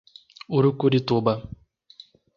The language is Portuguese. Urucurituba